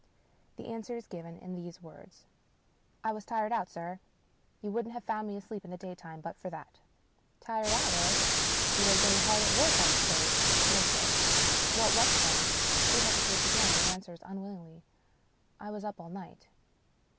The answer is given in these words : 221 English Mystery Stories " I was tired out, sir. You wouldn't have found me asleep in the daytime but for that." "Tired out, eh? You had been hard at work, I sup pose ?"" No, sir." "What was it, then?" He hesitates again, and answers unwillingly, " I was up all night."